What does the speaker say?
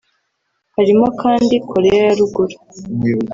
Harimo kandi Koreya ya Ruguru